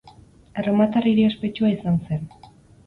Erromatar hiri ospetsua izan zen.